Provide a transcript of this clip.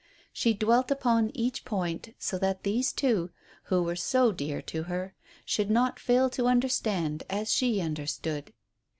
She dwelt upon each point, so that these two, who were so dear to her, should not fail to understand as she understood.